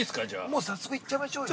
◆もう早速行っちゃいましょうよ。